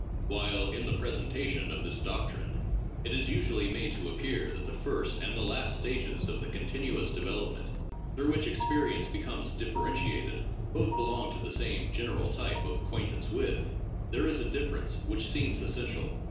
While in the presentation of this doctrine it is usually made to appear that the first and the last stages of the continuous development through which experience becomes differentiated both belong to the same general type of 'acquaintance with,' there is a difference which seems essential.